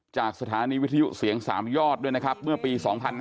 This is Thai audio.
จากสถานีวิทยุเสียง๓ยอดด้วยนะครับเมื่อปี๒๕๕๙